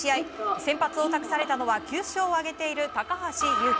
先発を託されたのは９勝を挙げている高橋優貴。